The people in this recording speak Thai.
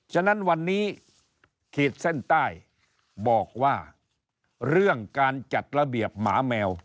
ฉะนั้นวันนี้ขีดเส้นใต้บอกว่าเรื่องการจัดระเบียบหมาแมว